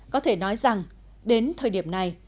có thể nói rằng đến thời điểm này